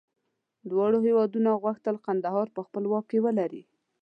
دواړو هېوادونو غوښتل کندهار په خپل واک کې ولري.